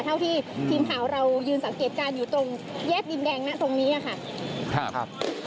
เท่าที่ทีมข่าวเรายืนสังเกตการณ์อยู่ตรงแยกดินแดงนะตรงนี้ค่ะครับ